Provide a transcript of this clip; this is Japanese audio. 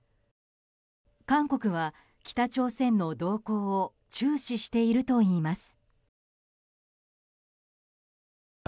韓国は北朝鮮の動向を注視しているといいます。